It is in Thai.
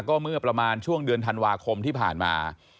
ก็เมื่อประมาณช่วงเดือนธันวาคมที่ผ่านมา